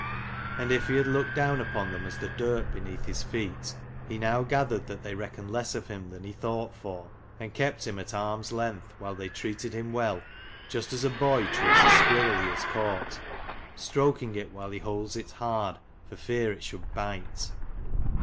And if he had looked down upon them as the dirt beneath his feet, he now gathered that they reckoned less of him than he thought for, and kept him at arm's length while they treated him well, just as a boy treats a squirrel he has caught, stroking it while he holds it hard, for fear it should bite.